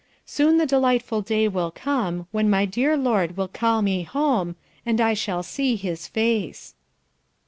"Soon the delightful day will come When my dear Lord will call me home, And I shall see his face."